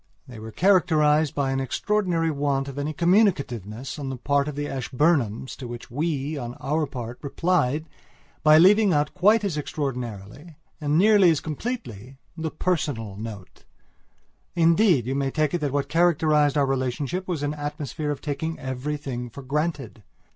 They were characterized by an extraordinary want of any communicativeness on the part of the Ashburnhams to which we, on our part, replied by leaving out quite as extraordinarily, and nearly as completely, the personal note. Indeed, you may take it that what characterized our relationship was an atmosphere of taking everything for granted.